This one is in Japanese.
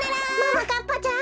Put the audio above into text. ももかっぱちゃん！